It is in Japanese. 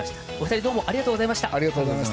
お二人どうもありがとうございました。